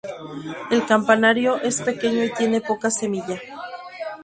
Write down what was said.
El campanario es pequeño y tiene poca semilla.